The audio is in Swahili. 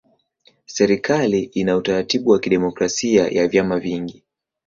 Serikali ina utaratibu wa kidemokrasia ya vyama vingi.